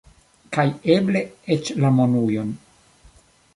Kaj eble eĉ la monujon.